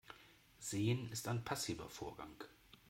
Sehen ist ein passiver Vorgang.